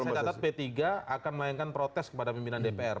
saya catat p tiga akan melayangkan protes kepada pimpinan dpr